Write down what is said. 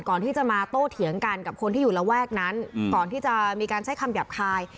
ก่อนที่จะมาโต้เถียงกันกับคนที่อยู่ระแวกนั้นก่อนที่จะมีการใช้คำหยาบคาย